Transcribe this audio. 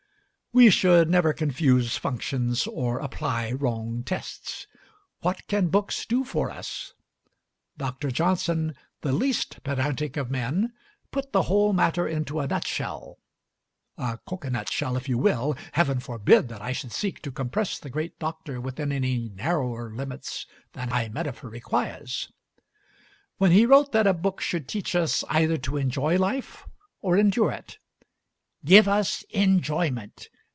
We should never confuse functions or apply wrong tests. What can books do for us? Dr. Johnson, the least pedantic of men, put the whole matter into a nut shell (a cocoa nut shell, if you will Heaven forbid that I should seek to compress the great Doctor within any narrower limits than my metaphor requires) when he wrote that a book should teach us either to enjoy life or endure it. "Give us enjoyment!"